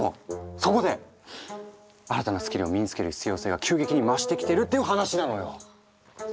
そこで新たなスキルを身につける必要性が急激に増してきてるっていう話なのよ。